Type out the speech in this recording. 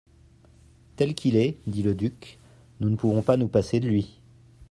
«Tel qu'il est, dit le duc, nous ne pouvons pas nous passer de lui.